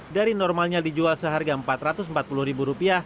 dari normalnya dijual seharga rp empat ratus empat puluh